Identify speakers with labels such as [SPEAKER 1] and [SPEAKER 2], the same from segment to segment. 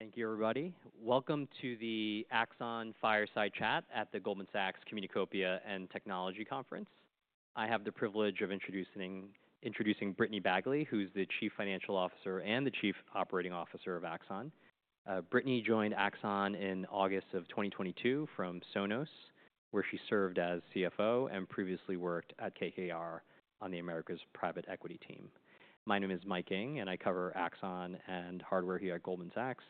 [SPEAKER 1] Thank you, everybody. Welcome to the Axon Fireside Chat at the Goldman Sachs Communacopia and Technology Conference. I have the privilege of introducing Brittany Bagley, who's the Chief Financial Officer and the Chief Operating Officer of Axon. Brittany joined Axon in August of 2022 from Sonos, where she served as CFO and previously worked at KKR on the Americas Private Equity team. My name is Mike Ng, and I cover Axon and hardware here at Goldman Sachs.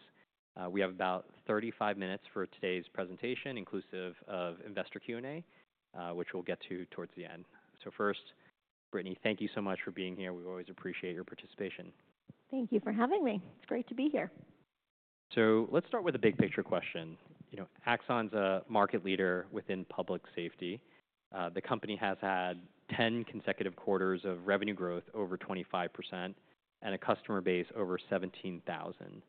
[SPEAKER 1] We have about 35 minutes for today's presentation, inclusive of investor Q&A, which we'll get to towards the end. First, Brittany, thank you so much for being here. We always appreciate your participation.
[SPEAKER 2] Thank you for having me. It's great to be here.
[SPEAKER 1] So let's start with a big-picture question. You know, Axon's a market leader within public safety. The company has had 10 consecutive quarters of revenue growth over 25% and a customer base over 17,000.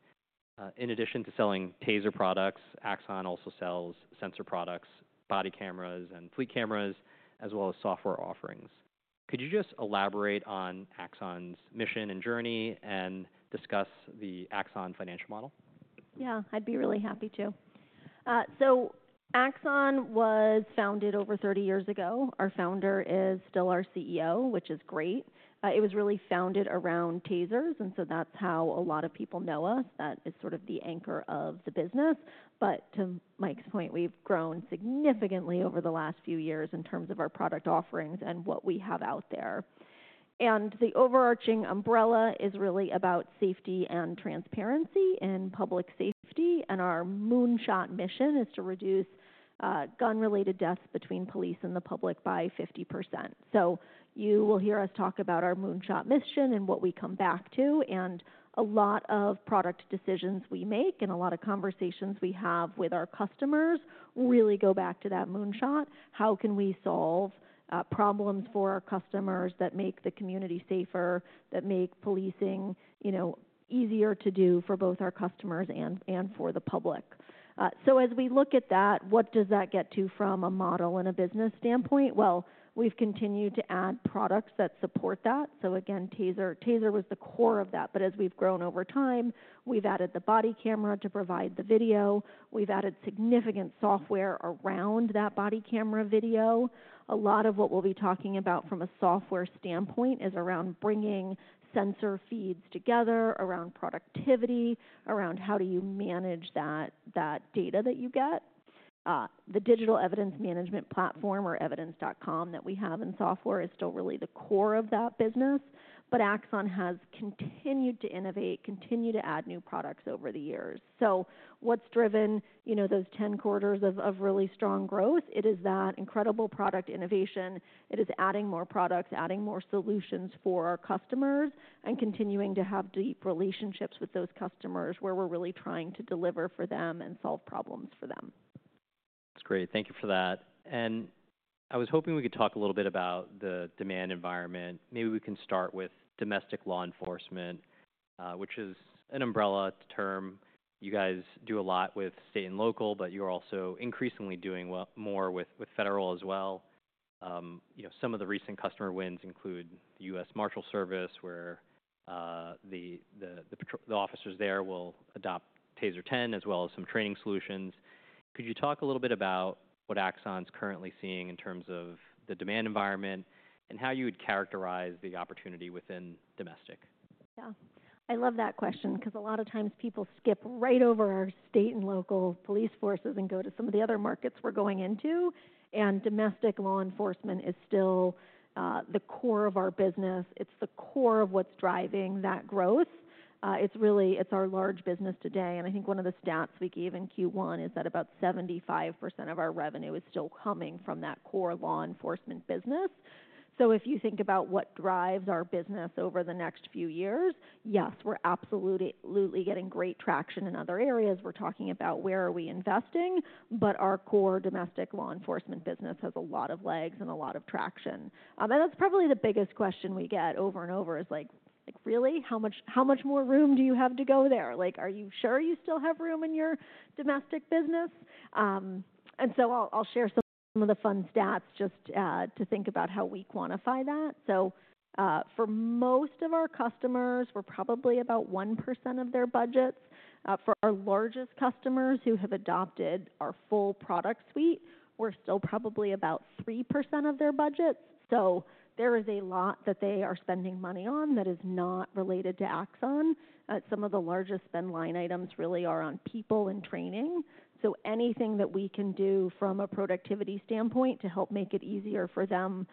[SPEAKER 1] In addition to selling TASER products, Axon also sells sensor products, body cameras, and fleet cameras, as well as software offerings. Could you just elaborate on Axon's mission and journey and discuss the Axon financial model?
[SPEAKER 2] Yeah, I'd be really happy to. So Axon was founded over 30 years ago. Our founder is still our CEO, which is great. It was really founded around TASERs, and so that's how a lot of people know us. That is sort of the anchor of the business, but to Mike's point, we've grown significantly over the last few years in terms of our product offerings and what we have out there, and the overarching umbrella is really about safety and transparency and public safety, and our Moonshot mission is to reduce gun-related deaths between police and the public by 50%. You will hear us talk about our Moonshot mission and what we come back to, and a lot of product decisions we make and a lot of conversations we have with our customers really go back to that moonshot. How can we solve problems for our customers that make the community safer, that make policing, you know, easier to do for both our customers and, and for the public? So as we look at that, what does that get to from a model and a business standpoint? Well, we've continued to add products that support that. So again, TASER. TASER was the core of that, but as we've grown over time, we've added the body camera to provide the video. We've added significant software around that body camera video. A lot of what we'll be talking about from a software standpoint is around bringing sensor feeds together, around productivity, around how do you manage that, that data that you get. The digital evidence management platform, or Evidence.com, that we have in software is still really the core of that business, but Axon has continued to innovate, continued to add new products over the years. So what's driven, you know, those ten quarters of really strong growth? It is that incredible product innovation. It is adding more products, adding more solutions for our customers, and continuing to have deep relationships with those customers, where we're really trying to deliver for them and solve problems for them.
[SPEAKER 1] That's great. Thank you for that. And I was hoping we could talk a little bit about the demand environment. Maybe we can start with domestic law enforcement, which is an umbrella term. You guys do a lot with state and local, but you're also increasingly doing well more with federal as well. You know, some of the recent customer wins include the U.S. Marshals Service, where the patrol officers there will adopt TASER 10 as well as some training solutions. Could you talk a little bit about what Axon's currently seeing in terms of the demand environment and how you would characterize the opportunity within domestic?
[SPEAKER 2] Yeah, I love that question because a lot of times people skip right over our state and local police forces and go to some of the other markets we're going into, and domestic law enforcement is still the core of our business. It's the core of what's driving that growth. It's really, it's our large business today, and I think one of the stats we gave in Q1 is that about 75% of our revenue is still coming from that core law enforcement business. So if you think about what drives our business over the next few years, yes, we're absolutely getting great traction in other areas. We're talking about where are we investing, but our core domestic law enforcement business has a lot of legs and a lot of traction. And that's probably the biggest question we get over and over is like, "Really? How much, how much more room do you have to go there? Like, are you sure you still have room in your domestic business?" And so I'll share some of the fun stats just to think about how we quantify that. So, for most of our customers, we're probably about 1% of their budgets. For our largest customers who have adopted our full product suite, we're still probably about 3% of their budgets. So there is a lot that they are spending money on that is not related to Axon. Some of the largest spend line items really are on people and training. So anything that we can do from a productivity standpoint to help make it easier for them,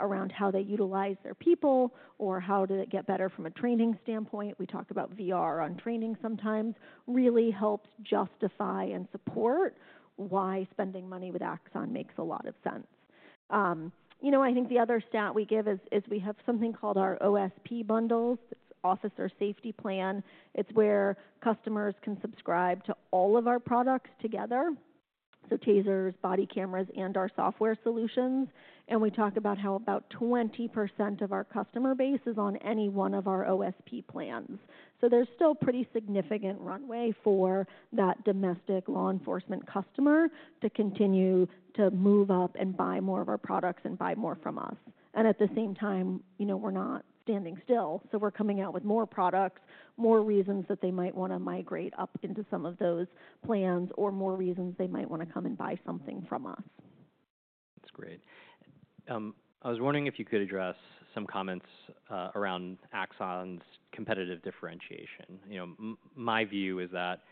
[SPEAKER 2] around how they utilize their people or how do they get better from a training standpoint, we talked about VR on training sometimes, really helps justify and support why spending money with Axon makes a lot of sense. You know, I think the other stat we give is we have something called our OSP bundles. It's Officer Safety Plan. It's where customers can subscribe to all of our products together, so TASERs, body cameras, and our software solutions. And we talked about how about 20% of our customer base is on any one of our OSP plans. So there's still pretty significant runway for that domestic law enforcement customer to continue to move up and buy more of our products and buy more from us. At the same time, you know, we're not standing still, so we're coming out with more products, more reasons that they might want to migrate up into some of those plans, or more reasons they might want to come and buy something from us.
[SPEAKER 1] That's great. I was wondering if you could address some comments around Axon's competitive differentiation. You know, my view is that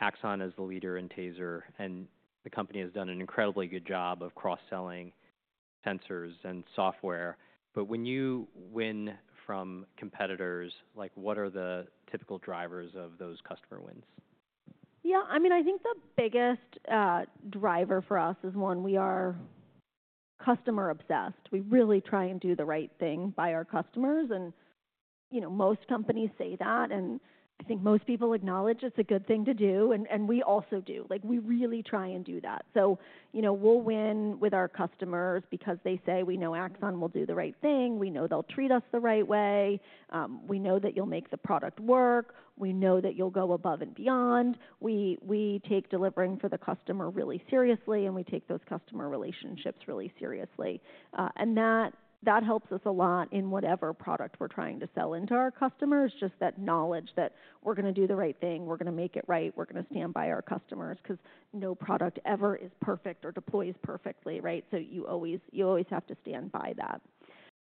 [SPEAKER 1] Axon is the leader in TASER, and the company has done an incredibly good job of cross-selling sensors and software. But when you win from competitors, like, what are the typical drivers of those customer wins?
[SPEAKER 2] Yeah, I mean, I think the biggest driver for us is, one, we are customer obsessed. We really try and do the right thing by our customers, and, you know, most companies say that, and I think most people acknowledge it's a good thing to do, and, and we also do. Like, we really try and do that. So, you know, we'll win with our customers because they say, "We know Axon will do the right thing. We know they'll treat us the right way. We know that you'll make the product work. We know that you'll go above and beyond." We, we take delivering for the customer really seriously, and we take those customer relationships really seriously. And that helps us a lot in whatever product we're trying to sell into our customers, just that knowledge that we're gonna do the right thing, we're gonna make it right, we're gonna stand by our customers. Because no product ever is perfect or deploys perfectly, right? So you always have to stand by that.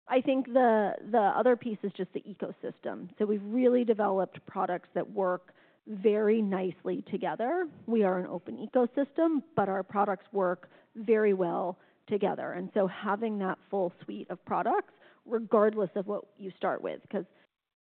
[SPEAKER 2] I think the other piece is just the ecosystem. So we've really developed products that work very nicely together. We are an open ecosystem, but our products work very well together. And so having that full suite of products, regardless of what you start with, because,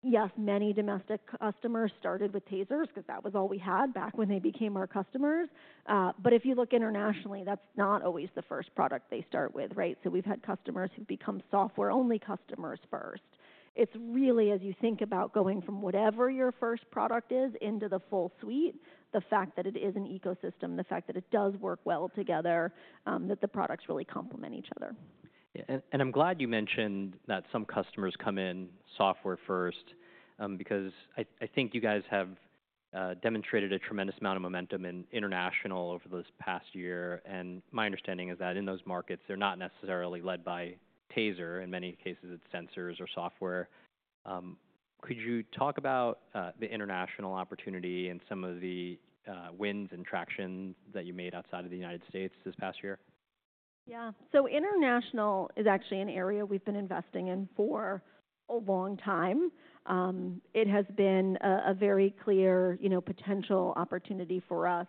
[SPEAKER 2] yes, many domestic customers started with TASERs because that was all we had back when they became our customers. But if you look internationally, that's not always the first product they start with, right? So we've had customers who've become software-only customers first. It's really, as you think about going from whatever your first product is into the full suite, the fact that it is an ecosystem, the fact that it does work well together, that the products really complement each other.
[SPEAKER 1] Yeah. And I'm glad you mentioned that some customers come in software first, because I think you guys have demonstrated a tremendous amount of momentum in international over this past year, and my understanding is that in those markets, they're not necessarily led by TASER. In many cases, it's sensors or software. Could you talk about the international opportunity and some of the wins and traction that you made outside of the United States this past year?
[SPEAKER 2] Yeah. So international is actually an area we've been investing in for a long time. It has been a very clear, you know, potential opportunity for us.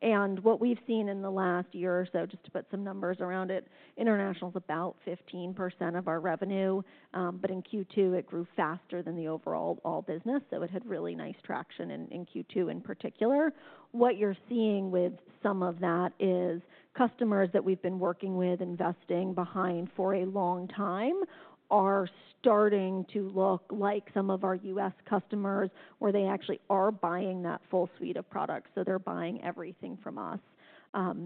[SPEAKER 2] And what we've seen in the last year or so, just to put some numbers around it, international is about 15% of our revenue, but in Q2, it grew faster than the overall business, so it had really nice traction in Q2 in particular. What you're seeing with some of that is customers that we've been working with, investing behind for a long time, are starting to look like some of our U.S. customers, where they actually are buying that full suite of products, so they're buying everything from us.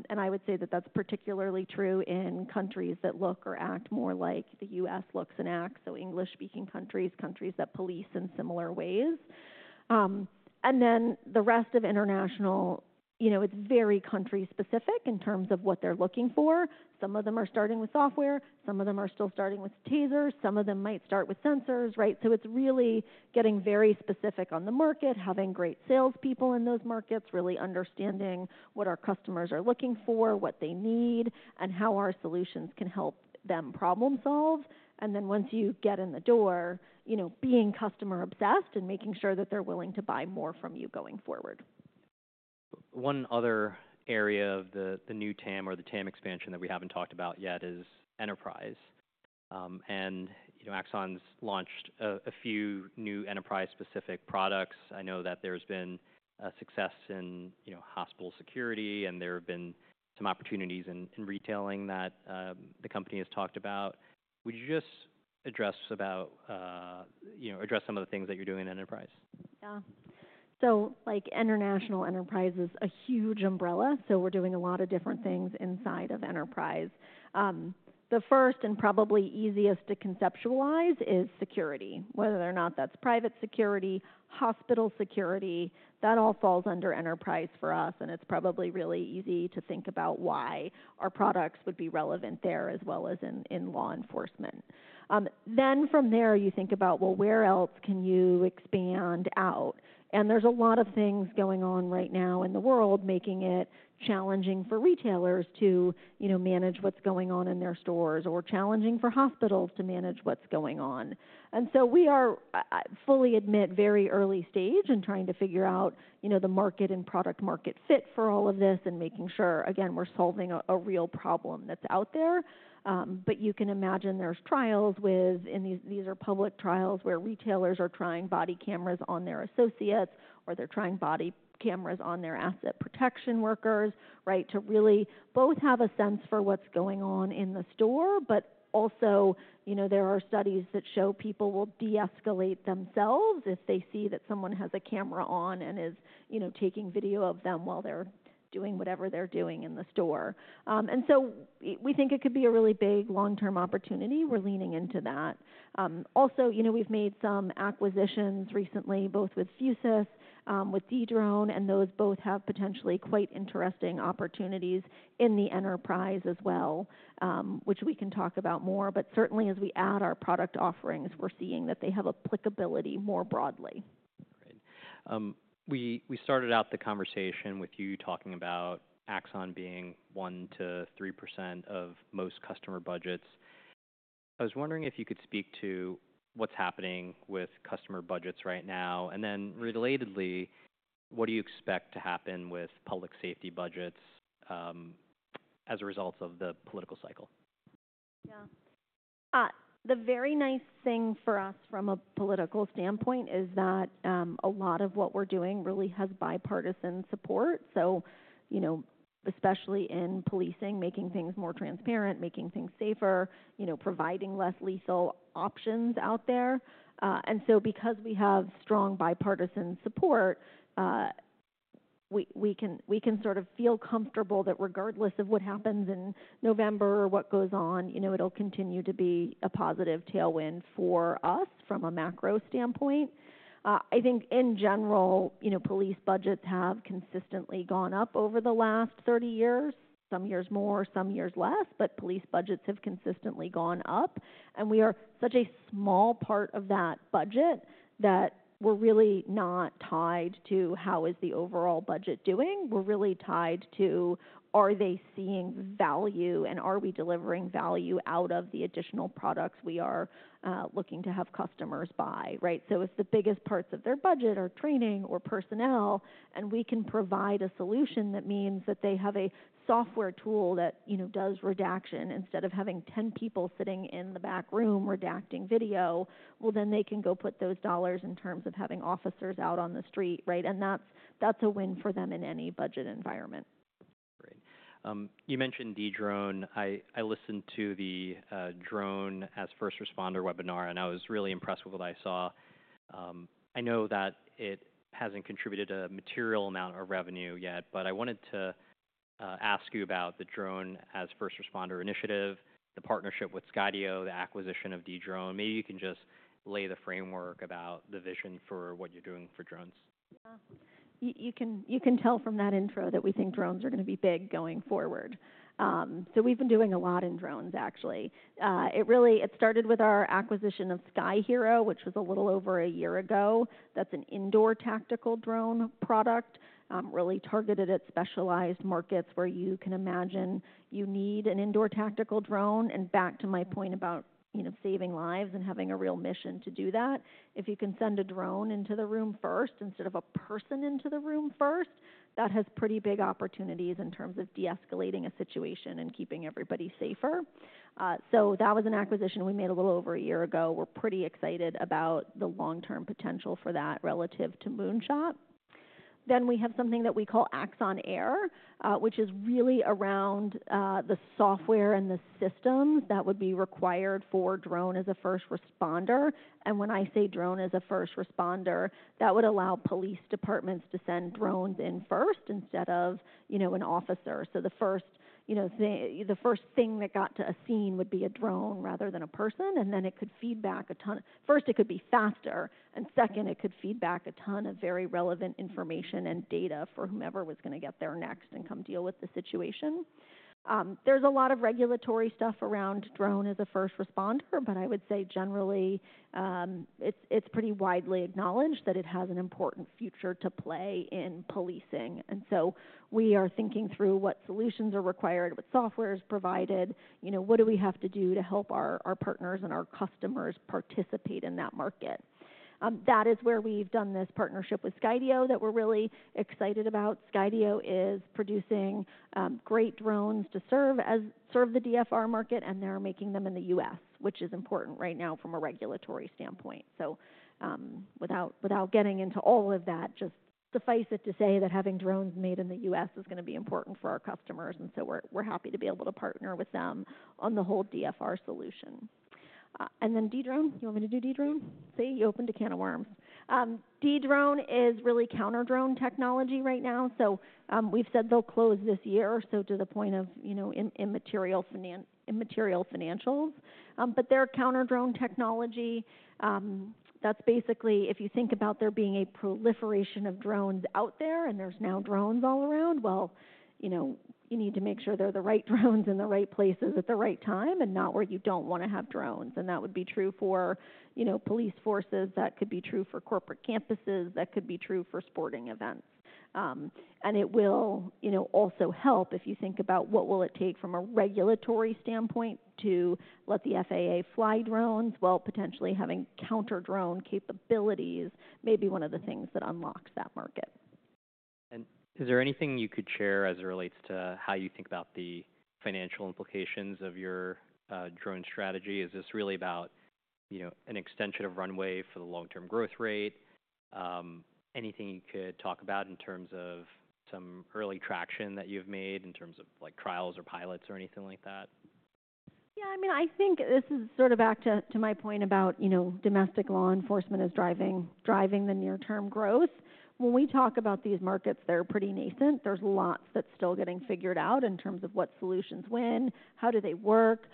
[SPEAKER 2] And I would say that that's particularly true in countries that look or act more like the U.S. looks and acts, so English-speaking countries, countries that police in similar ways. And then the rest of international, you know, it's very country specific in terms of what they're looking for. Some of them are starting with software, some of them are still starting with TASERs, some of them might start with sensors, right? So it's really getting very specific on the market, having great salespeople in those markets, really understanding what our customers are looking for, what they need, and how our solutions can help them problem solve, and then once you get in the door, you know, being customer obsessed and making sure that they're willing to buy more from you going forward.
[SPEAKER 1] One other area of the new TAM or the TAM expansion that we haven't talked about yet is enterprise, and, you know, Axon's launched a few new enterprise-specific products. I know that there's been a success in, you know, hospital security, and there have been some opportunities in retailing that the company has talked about. Would you just address about... You know, address some of the things that you're doing in enterprise?
[SPEAKER 2] Yeah. So, like, international enterprise is a huge umbrella, so we're doing a lot of different things inside of enterprise. The first and probably easiest to conceptualize is security. Whether or not that's private security, hospital security, that all falls under enterprise for us, and it's probably really easy to think about why our products would be relevant there as well as in, in law enforcement. Then from there, you think about, well, where else can you expand out? And there's a lot of things going on right now in the world, making it challenging for retailers to, you know, manage what's going on in their stores, or challenging for hospitals to manage what's going on. And so we are fully admit very early stage in trying to figure out, you know, the market and product-market fit for all of this and making sure, again, we're solving a real problem that's out there. But you can imagine there's trials with and these are public trials, where retailers are trying body cameras on their associates, or they're trying body cameras on their asset protection workers, right? To really both have a sense for what's going on in the store, but also, you know, there are studies that show people will de-escalate themselves if they see that someone has a camera on and is, you know, taking video of them while they're doing whatever they're doing in the store. And so we think it could be a really big long-term opportunity. We're leaning into that. Also, you know, we've made some acquisitions recently, both with Fusus and with Dedrone, and those both have potentially quite interesting opportunities in the enterprise as well, which we can talk about more, but certainly, as we add our product offerings, we're seeing that they have applicability more broadly....
[SPEAKER 1] We started out the conversation with you talking about Axon being 1-3% of most customer budgets. I was wondering if you could speak to what's happening with customer budgets right now, and then relatedly, what do you expect to happen with public safety budgets as a result of the political cycle?
[SPEAKER 2] Yeah. The very nice thing for us from a political standpoint is that a lot of what we're doing really has bipartisan support. So, you know, especially in policing, making things more transparent, making things safer, you know, providing less lethal options out there. And so because we have strong bipartisan support, we can sort of feel comfortable that regardless of what happens in November or what goes on, you know, it'll continue to be a positive tailwind for us from a macro standpoint. I think in general, you know, police budgets have consistently gone up over the last 30 years, some years more, some years less, but police budgets have consistently gone up, and we are such a small part of that budget that we're really not tied to how is the overall budget doing. We're really tied to are they seeing value and are we delivering value out of the additional products we are looking to have customers buy, right? So if the biggest parts of their budget are training or personnel, and we can provide a solution that means that they have a software tool that, you know, does redaction instead of having 10 people sitting in the back room redacting video, well, then they can go put those dollars in terms of having officers out on the street, right? And that's a win for them in any budget environment.
[SPEAKER 1] Great. You mentioned Dedrone. I listened to the drone as first responder webinar, and I was really impressed with what I saw. I know that it hasn't contributed a material amount of revenue yet, but I wanted to ask you about the drone as first responder initiative, the partnership with Skydio, the acquisition of Dedrone. Maybe you can just lay the framework about the vision for what you're doing for drones.
[SPEAKER 2] Yeah. You can tell from that intro that we think drones are going to be big going forward. So we've been doing a lot in drones, actually. It really started with our acquisition of Sky-Hero, which was a little over a year ago. That's an indoor tactical drone product, really targeted at specialized markets where you can imagine you need an indoor tactical drone. And back to my point about, you know, saving lives and having a real mission to do that, if you can send a drone into the room first instead of a person into the room first, that has pretty big opportunities in terms of de-escalating a situation and keeping everybody safer. So that was an acquisition we made a little over a year ago. We're pretty excited about the long-term potential for that relative to Moonshot. Then we have something that we call Axon Air, which is really around the software and the systems that would be required for drone as a first responder. And when I say drone as a first responder, that would allow police departments to send drones in first instead of, you know, an officer. So the first thing, you know, that got to a scene would be a drone rather than a person, and then it could feed back a ton. First, it could be faster, and second, it could feed back a ton of very relevant information and data for whomever was going to get there next and come deal with the situation. There's a lot of regulatory stuff around drone as a first responder, but I would say generally, it's pretty widely acknowledged that it has an important future to play in policing, and so we are thinking through what solutions are required, what software is provided, you know, what do we have to do to help our partners and our customers participate in that market. That is where we've done this partnership with Skydio that we're really excited about. Skydio is producing great drones to serve the DFR market, and they're making them in the U.S., which is important right now from a regulatory standpoint. So without getting into all of that, just suffice it to say that having drones made in the U.S. is going to be important for our customers, and so we're happy to be able to partner with them on the whole DFR solution. And then Dedrone. You want me to do Dedrone? See, you opened a can of worms. Dedrone is really counter-drone technology right now. So we've said they'll close this year, so to the point of, you know, immaterial financials. But they're counter-drone technology. That's basically, if you think about there being a proliferation of drones out there, and there's now drones all around, well, you know, you need to make sure they're the right drones in the right places at the right time and not where you don't want to have drones. And that would be true for, you know, police forces, that could be true for corporate campuses, that could be true for sporting events. And it will, you know, also help if you think about what will it take from a regulatory standpoint to let the FAA fly drones. Well, potentially having counter-drone capabilities may be one of the things that unlocks that market.
[SPEAKER 1] And is there anything you could share as it relates to how you think about the financial implications of your drone strategy? Is this really about, you know, an extension of runway for the long-term growth rate? Anything you could talk about in terms of some early traction that you've made, in terms of, like, trials or pilots or anything like that?
[SPEAKER 2] Yeah, I mean, I think this is sort of back to my point about, you know, domestic law enforcement is driving the near-term growth. When we talk about these markets, they're pretty nascent. There's lots that's still getting figured out in terms of what solutions when, how do they work?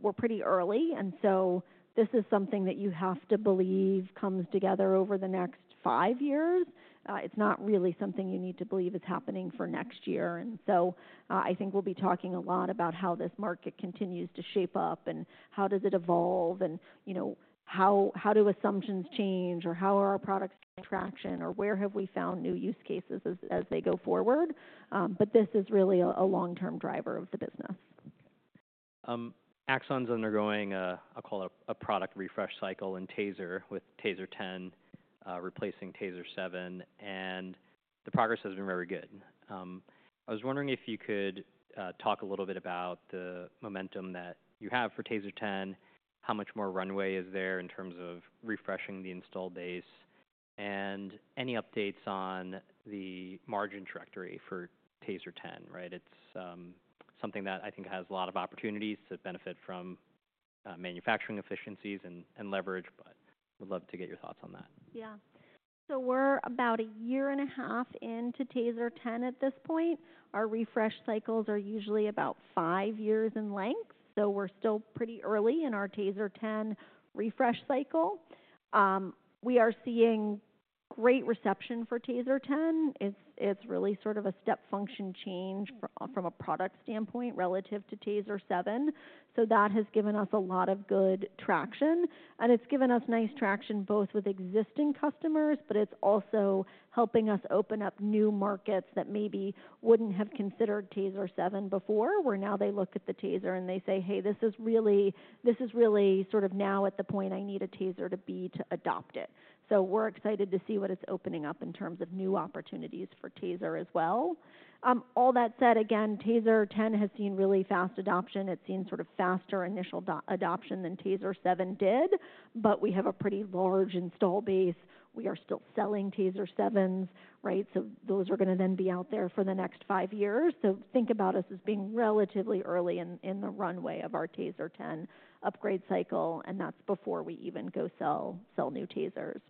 [SPEAKER 2] We're pretty early, and so this is something that you have to believe comes together over the next five years. It's not really something you need to believe is happening for next year. And so, I think we'll be talking a lot about how this market continues to shape up and how does it evolve, and, you know, how assumptions change, or how are our products traction, or where have we found new use cases as they go forward? But this is really a long-term driver of the business.
[SPEAKER 1] Axon's undergoing a, I'll call it a product refresh cycle in TASER, with TASER 10 replacing TASER 7, and the progress has been very good. I was wondering if you could talk a little bit about the momentum that you have for TASER 10, how much more runway is there in terms of refreshing the install base, and any updates on the margin trajectory for TASER 10, right? It's something that I think has a lot of opportunities to benefit from manufacturing efficiencies and leverage, but would love to get your thoughts on that.
[SPEAKER 2] Yeah. So we're about a year and a half into TASER 10 at this point. Our refresh cycles are usually about five years in length, so we're still pretty early in our TASER 10 refresh cycle. We are seeing great reception for TASER 10. It's really sort of a step function change from a product standpoint relative to TASER 7. So that has given us a lot of good traction, and it's given us nice traction both with existing customers, but it's also helping us open up new markets that maybe wouldn't have considered TASER 7 before, where now they look at the TASER and they say, "Hey, this is really sort of now at the point I need a TASER to be to adopt it." So we're excited to see what it's opening up in terms of new opportunities for TASER as well. All that said, again, TASER 10 has seen really fast adoption. It's seen sort of faster initial adoption than TASER 7 did, but we have a pretty large install base. We are still selling TASER 7s, right? So those are gonna then be out there for the next five years. So think about us as being relatively early in the runway of our TASER 10 upgrade cycle, and that's before we even go sell new TASERs.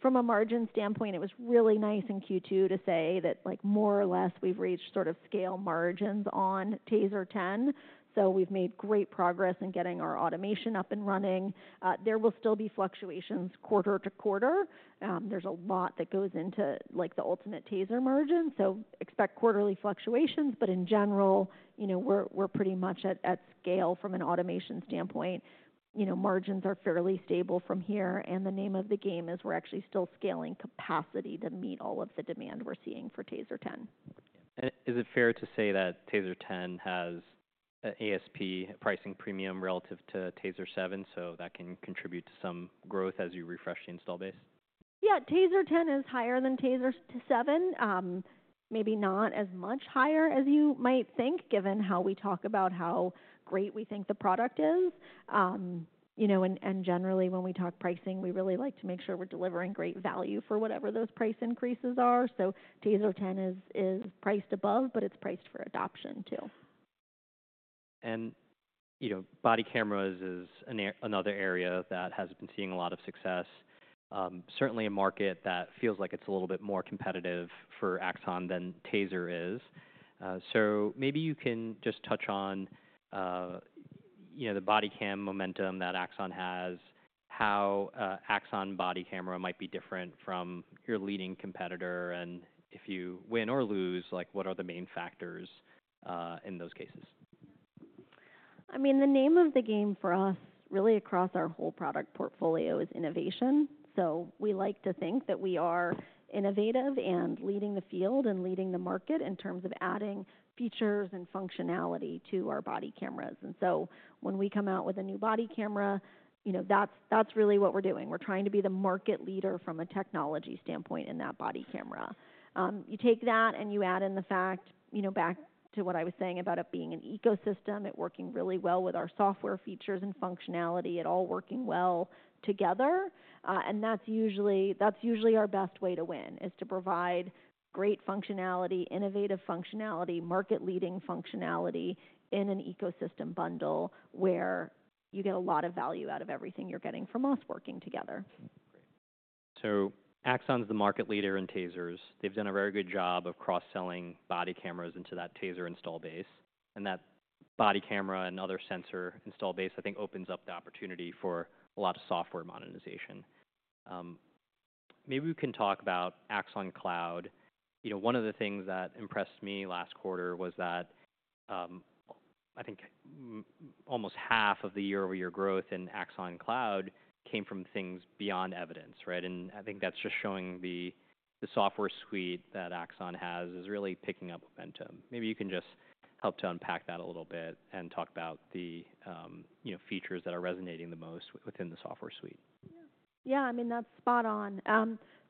[SPEAKER 2] From a margin standpoint, it was really nice in Q2 to say that, like, more or less, we've reached sort of scale margins on TASER 10. So we've made great progress in getting our automation up and running. There will still be fluctuations quarter to quarter. There's a lot that goes into, like, the ultimate TASER margin, so expect quarterly fluctuations. But in general, you know, we're pretty much at scale from an automation standpoint. You know, margins are fairly stable from here, and the name of the game is we're actually still scaling capacity to meet all of the demand we're seeing for TASER 10.
[SPEAKER 1] Is it fair to say that TASER 10 has a ASP pricing premium relative to TASER 7, so that can contribute to some growth as you refresh the install base?
[SPEAKER 2] Yeah. TASER 10 is higher than TASER 7. Maybe not as much higher as you might think, given how we talk about how great we think the product is. You know, and generally, when we talk pricing, we really like to make sure we're delivering great value for whatever those price increases are. So TASER 10 is priced above, but it's priced for adoption, too.
[SPEAKER 1] You know, body cameras is another area that has been seeing a lot of success. Certainly a market that feels like it's a little bit more competitive for Axon than TASER is. Maybe you can just touch on, you know, the body cam momentum that Axon has, how Axon Body camera might be different from your leading competitor, and if you win or lose, like, what are the main factors in those cases?
[SPEAKER 2] I mean, the name of the game for us, really across our whole product portfolio, is innovation. So we like to think that we are innovative and leading the field and leading the market in terms of adding features and functionality to our body cameras. And so when we come out with a new body camera, you know, that's really what we're doing. We're trying to be the market leader from a technology standpoint in that body camera. You take that and you add in the fact, you know, back to what I was saying about it being an ecosystem, it working really well with our software features and functionality, it all working well together, and that's usually our best way to win, is to provide great functionality, innovative functionality, market-leading functionality in an ecosystem bundle where you get a lot of value out of everything you're getting from us working together.
[SPEAKER 1] So Axon's the market leader in TASERs. They've done a very good job of cross-selling body cameras into that TASER install base, and that body camera and other sensor install base, I think, opens up the opportunity for a lot of software monetization. Maybe we can talk about Axon Cloud. You know, one of the things that impressed me last quarter was that, I think almost half of the year-over-year growth in Axon Cloud came from things beyond evidence, right? And I think that's just showing the software suite that Axon has is really picking up momentum. Maybe you can just help to unpack that a little bit and talk about the, you know, features that are resonating the most within the software suite.
[SPEAKER 2] Yeah. I mean, that's spot on.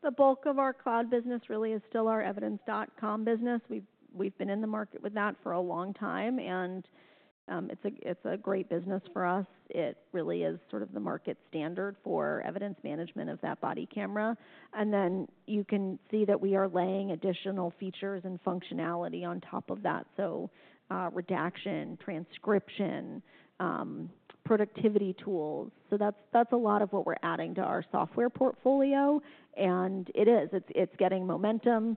[SPEAKER 2] The bulk of our cloud business really is still our Evidence.com business. We've been in the market with that for a long time, and it's a great business for us. It really is sort of the market standard for evidence management of that body camera. And then you can see that we are laying additional features and functionality on top of that, so redaction, transcription, productivity tools. So that's a lot of what we're adding to our software portfolio, and it is getting momentum.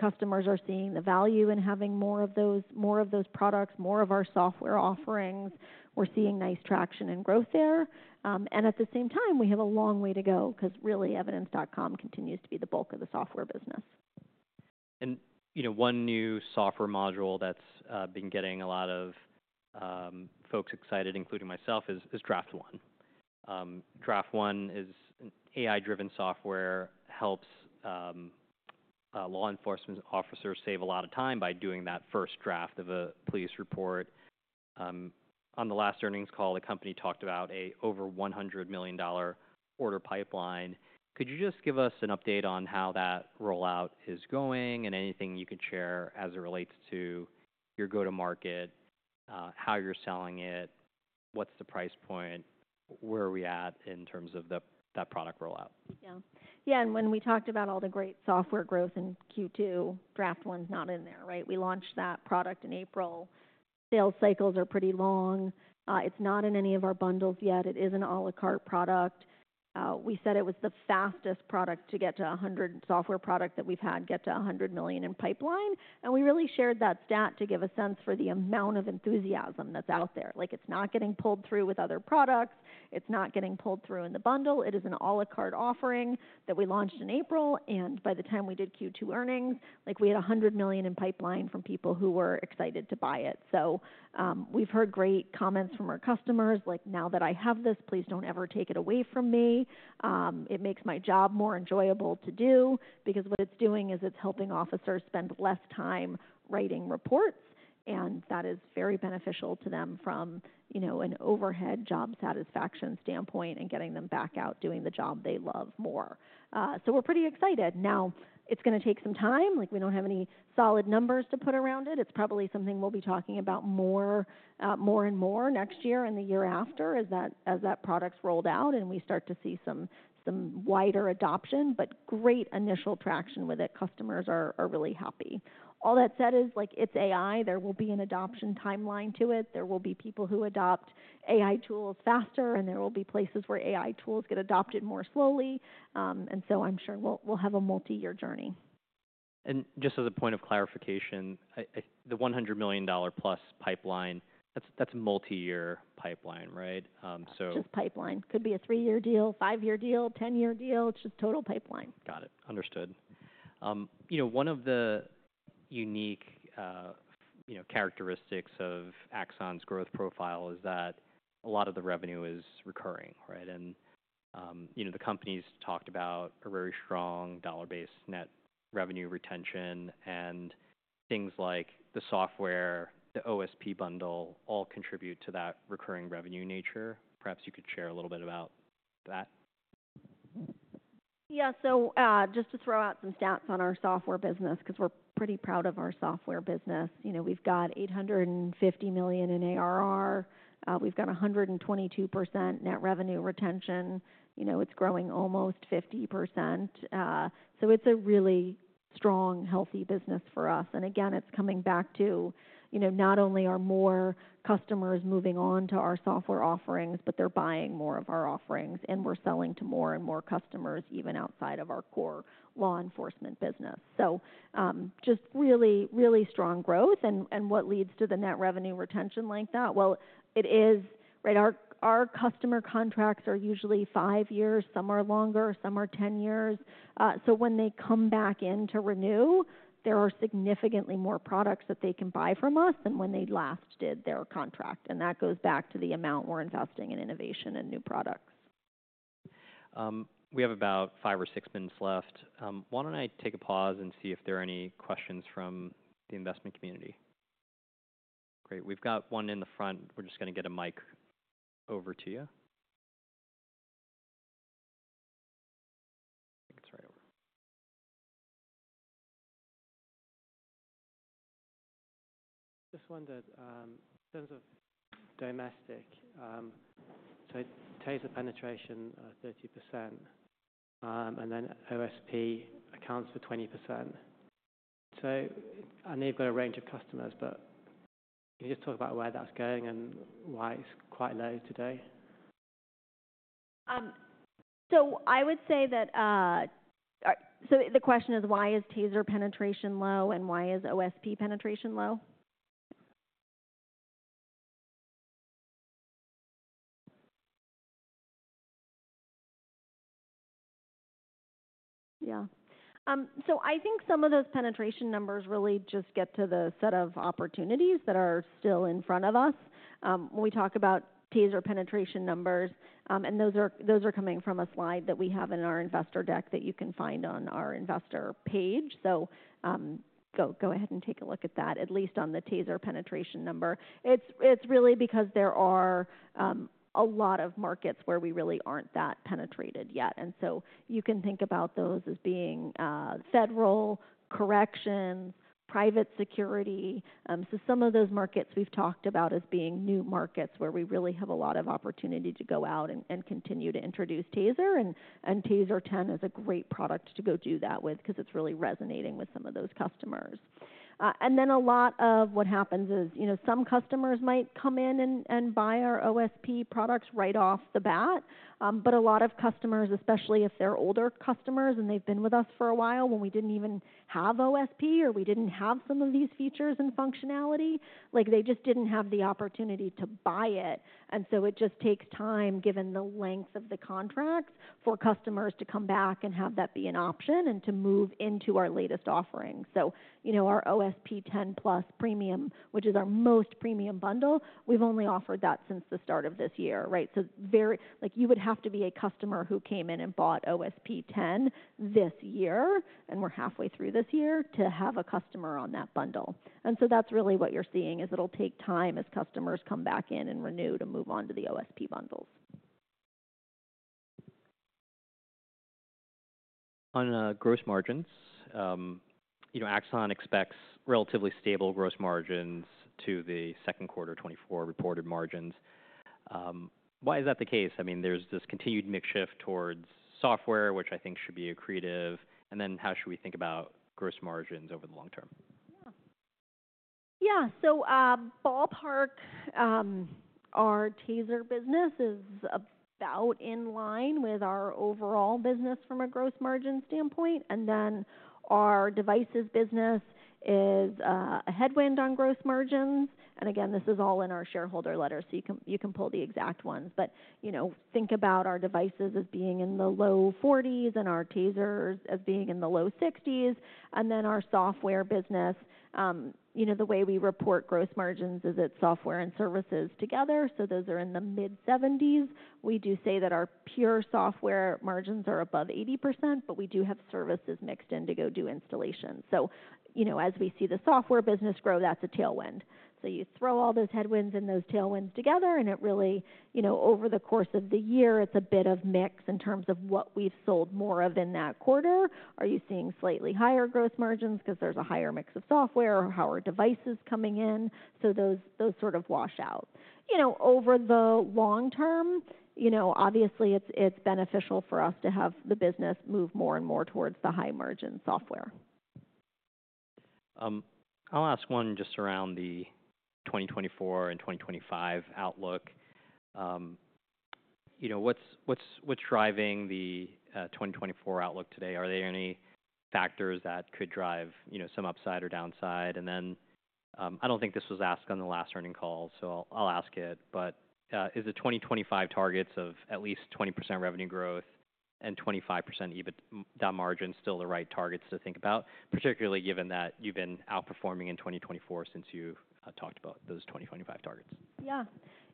[SPEAKER 2] Customers are seeing the value in having more of those, more of our software offerings. We're seeing nice traction and growth there. And at the same time, we have a long way to go, 'cause really, Evidence.com continues to be the bulk of the software business....
[SPEAKER 1] And, you know, one new software module that's been getting a lot of folks excited, including myself, is Draft One. Draft One is an AI-driven software, helps law enforcement officers save a lot of time by doing that first draft of a police report. On the last earnings call, the company talked about a over $100 million order pipeline. Could you just give us an update on how that rollout is going, and anything you could share as it relates to your go-to-market, how you're selling it, what's the price point? Where are we at in terms of that product rollout?
[SPEAKER 2] Yeah. Yeah, and when we talked about all the great software growth in Q2, Draft One's not in there, right? We launched that product in April. Sales cycles are pretty long. It's not in any of our bundles yet. It is an à la carte product. We said it was the fastest product to get to a hundred software product that we've had get to $100 million in pipeline, and we really shared that stat to give a sense for the amount of enthusiasm that's out there. Like, it's not getting pulled through with other products. It's not getting pulled through in the bundle. It is an à la carte offering that we launched in April, and by the time we did Q2 earnings, like, we had $100 million in pipeline from people who were excited to buy it. So, we've heard great comments from our customers, like: "Now that I have this, please don't ever take it away from me. It makes my job more enjoyable to do." Because what it's doing is it's helping officers spend less time writing reports, and that is very beneficial to them from, you know, an overhead job satisfaction standpoint and getting them back out doing the job they love more. So we're pretty excited. Now, it's gonna take some time. Like, we don't have any solid numbers to put around it. It's probably something we'll be talking about more, more and more next year and the year after, as that product's rolled out and we start to see some wider adoption. But great initial traction with it. Customers are really happy. All that said is, like, it's AI. There will be an adoption timeline to it. There will be people who adopt AI tools faster, and there will be places where AI tools get adopted more slowly, and so I'm sure we'll have a multi-year journey.
[SPEAKER 1] And just as a point of clarification, the $100 million+ pipeline, that's, that's a multi-year pipeline, right?
[SPEAKER 2] Just pipeline. Could be a three-year deal, five-year deal, ten-year deal. It's just total pipeline.
[SPEAKER 1] Got it. Understood. You know, one of the unique, you know, characteristics of Axon's growth profile is that a lot of the revenue is recurring, right? And, you know, the company's talked about a very strong dollar-based net revenue retention, and things like the software, the OSP bundle, all contribute to that recurring revenue nature. Perhaps you could share a little bit about that.
[SPEAKER 2] Yeah. So, just to throw out some stats on our software business, 'cause we're pretty proud of our software business. You know, we've got $850 million in ARR. We've got 122% net revenue retention. You know, it's growing almost 50%. So it's a really strong, healthy business for us. And again, it's coming back to, you know, not only are more customers moving on to our software offerings, but they're buying more of our offerings, and we're selling to more and more customers, even outside of our core law enforcement business. So, just really, really strong growth. And, and what leads to the net revenue retention like that? Well, it is... Right, our, our customer contracts are usually five years. Some are longer, some are 10 years. So when they come back in to renew, there are significantly more products that they can buy from us than when they last did their contract, and that goes back to the amount we're investing in innovation and new products.
[SPEAKER 1] We have about five or six minutes left. Why don't I take a pause and see if there are any questions from the investment community? Great, we've got one in the front. We're just gonna get a mic over to you. It's right over. Just wondered, in terms of domestic, so TASER penetration, 30%, and then OSP accounts for 20%. So I know you've got a range of customers, but can you just talk about where that's going and why it's quite low today?
[SPEAKER 2] The question is, why is TASER penetration low, and why is OSP penetration low? Yeah. So I think some of those penetration numbers really just get to the set of opportunities that are still in front of us. When we talk about TASER penetration numbers, and those are coming from a slide that we have in our investor deck, that you can find on our investor page. So, go ahead and take a look at that, at least on the TASER penetration number. It's really because there are a lot of markets where we really aren't that penetrated yet. And so you can think about those as being federal, corrections, private security. So some of those markets we've talked about as being new markets, where we really have a lot of opportunity to go out and continue to introduce TASER, and TASER 10 is a great product to go do that with, 'cause it's really resonating with some of those customers. And then a lot of what happens is, you know, some customers might come in and buy our OSP products right off the bat. But a lot of customers, especially if they're older customers and they've been with us for a while, when we didn't even have OSP or we didn't have some of these features and functionality, like, they just didn't have the opportunity to buy it. And so it just takes time, given the length of the contracts, for customers to come back and have that be an option and to move into our latest offerings. So, you know, our OSP 10+ Premium, which is our most premium bundle, we've only offered that since the start of this year, right? So, very, like, you would have to be a customer who came in and bought OSP ten this year, and we're halfway through this year, to have a customer on that bundle. And so that's really what you're seeing, is it'll take time as customers come back in and renew to move on to the OSP bundles.
[SPEAKER 1] On gross margins, you know, Axon expects relatively stable gross margins to the second quarter 2024 reported margins. Why is that the case? I mean, there's this continued mix shift towards software, which I think should be accretive, and then how should we think about gross margins over the long term?
[SPEAKER 2] Yeah. Yeah, so, ballpark, our TASER business is about in line with our overall business from a gross margin standpoint, and then our devices business is a headwind on gross margins. And again, this is all in our shareholder letter, so you can pull the exact ones. But, you know, think about our devices as being in the low forties and our TASERs as being in the low sixties, and then our software business, you know, the way we report gross margins is it's software and services together, so those are in the mid seventies. We do say that our pure software margins are above 80%, but we do have services mixed in to go do installations. So, you know, as we see the software business grow, that's a tailwind. So you throw all those headwinds and those tailwinds together and it really... You know, over the course of the year, it's a bit of a mix in terms of what we've sold more of in that quarter. Are you seeing slightly higher gross margins because there's a higher mix of software or how are devices coming in? So those sort of wash out. You know, over the long term, you know, obviously, it's beneficial for us to have the business move more and more towards the high-margin software.
[SPEAKER 1] I'll ask one just around the 2024 and 2025 outlook. You know, what's driving the 2024 outlook today? Are there any factors that could drive, you know, some upside or downside? And then, I don't think this was asked on the last earnings call, so I'll ask it, but is the 2025 targets of at least 20% revenue growth and 25% EBIT margin still the right targets to think about, particularly given that you've been outperforming in 2024 since you've talked about those 2025 targets?
[SPEAKER 2] Yeah.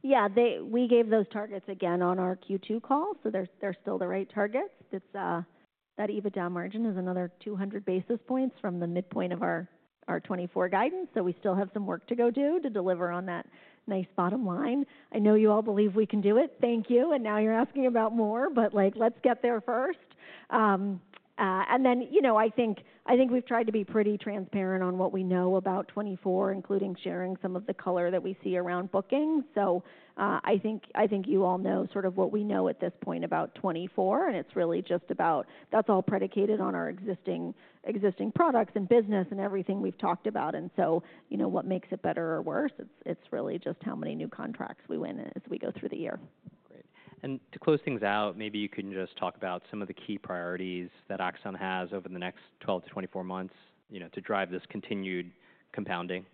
[SPEAKER 2] Yeah, they we gave those targets again on our Q2 call, so they're still the right targets. It's that EBITDA margin is another two hundred basis points from the midpoint of our twenty twenty-four guidance, so we still have some work to go do to deliver on that nice bottom line. I know you all believe we can do it. Thank you. And now you're asking about more, but, like, let's get there first. And then, you know, I think we've tried to be pretty transparent on what we know about 2024, including sharing some of the color that we see around bookings. So, I think you all know sort of what we know at this point about 2024, and it's really just about... That's all predicated on our existing products and business and everything we've talked about. So, you know, what makes it better or worse? It's really just how many new contracts we win as we go through the year.
[SPEAKER 1] Great and to close things out, maybe you can just talk about some of the key priorities that Axon has over the next twelve to twenty-four months, you know, to drive this continued compounding.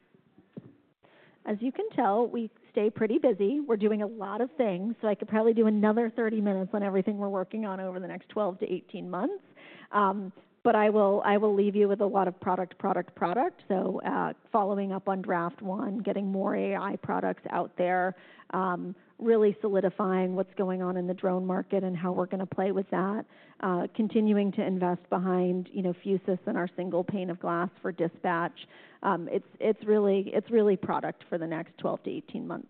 [SPEAKER 2] As you can tell, we stay pretty busy. We're doing a lot of things, so I could probably do another thirty minutes on everything we're working on over the next 12 to 18 months, but I will, I will leave you with a lot of product, product, product, so following up on Draft One, getting more AI products out there, really solidifying what's going on in the drone market and how we're going to play with that, continuing to invest behind, you know, Fusus and our single pane of glass for dispatch. It's, it's really, it's really product for the next 12 to 18 months.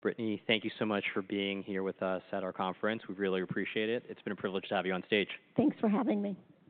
[SPEAKER 1] Brittany, thank you so much for being here with us at our conference. We really appreciate it. It's been a privilege to have you on stage.
[SPEAKER 2] Thanks for having me.